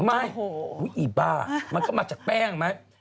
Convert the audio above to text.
ไม่อีบ้ามันก็มาจากแป้งไหม